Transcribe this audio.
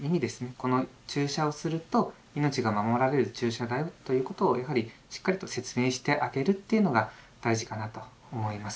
「この注射をすると命が守られる注射だよ」ということをやはりしっかりと説明してあげるというのが大事かなと思います。